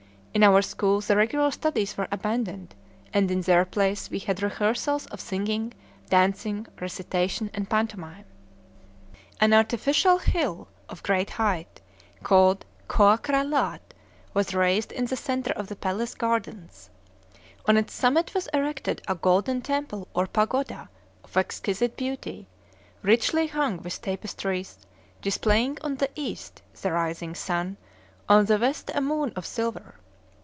In our school the regular studies were abandoned, and in their place we had rehearsals of singing, dancing, recitation, and pantomime. An artificial hill, of great height, called Khoa Kra Lâât, was raised in the centre of the palace gardens. On its summit was erected a golden temple or pagoda of exquisite beauty, richly hung with tapestries, displaying on the east the rising sun, on the west a moon of silver.